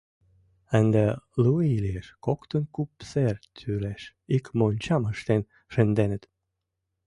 Ынде лу ий лиеш, коктын куп сер тӱреш ик мончам ыштен шынденыт.